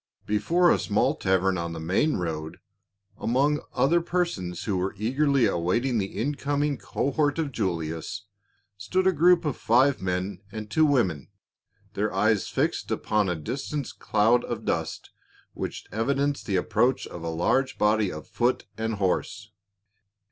Before a small tavern on the main road, among other persons who were eagerly awaiting the incoming cohort of Julius, stood a group of five men and two women, their eyes fixed upon a distant cloud of dust which evidenced the approach of a large body of foot and horse.